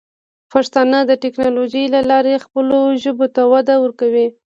پښتانه د ټیکنالوجۍ له لارې خپلو ژبو ته وده ورکوي.